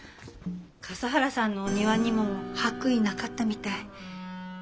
笠原さんのお庭にも白衣なかったみたい。